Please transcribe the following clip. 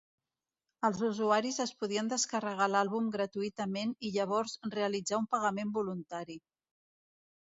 Els usuaris es podien descarregar l'àlbum gratuïtament i llavors realitzar un pagament voluntari.